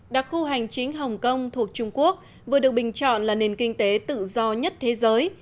đặc khu hành chính hồng kông thuộc trung quốc vừa được bình chọn là nền kinh tế tự do nhất thế giới